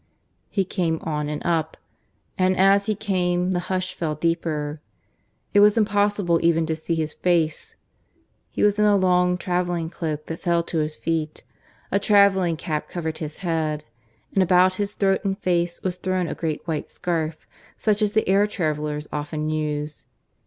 He came on and up; and as he came the hush fell deeper. It was impossible even to see his face; he was in a long travelling cloak that fell to his feet; a travelling cap covered his head; and about his throat and face was thrown a great white scarf, such as the air travellers often use.